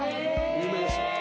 有名です。